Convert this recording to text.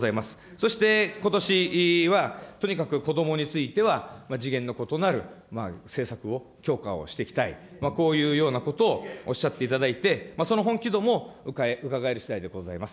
そして、ことしは、とにかく子どもについては次元の異なる政策を強化をしていきたい、こういうようなことをおっしゃっていただいて、その本気度も伺えるしだいでございます。